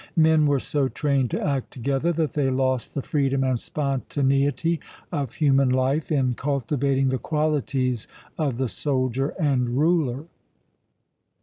Men were so trained to act together that they lost the freedom and spontaneity of human life in cultivating the qualities of the soldier and ruler.